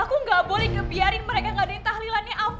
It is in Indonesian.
aku nggak boleh kebiarin mereka ngadepin tahlilannya afif